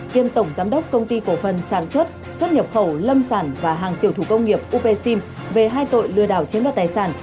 kiêm tổng giám đốc công ty cổ phần sản xuất xuất nhập khẩu lâm sản và hàng tiểu thủ công nghiệp up sim về hai tội lừa đảo chiếm đoạt tài sản